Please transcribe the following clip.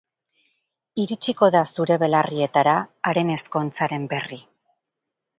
Iritsiko da zure belarrietara haren ezkontzaren berri.